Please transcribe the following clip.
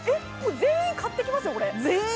全員、買ってきますよ、これ。